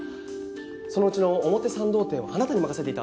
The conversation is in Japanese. そのうちの表参道店をあなたに任せていた。